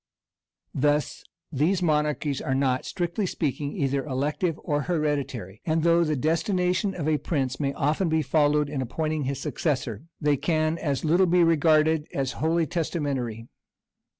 Thus these monarchies are not, strictly speaking, either elective or hereditary; and though the destination of a prince may often be followed in appointing his successor, they can as little be regarded as wholly testamentary.